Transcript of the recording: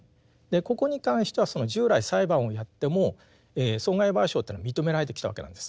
ここに関しては従来裁判をやっても損害賠償というのは認められてきたわけなんです。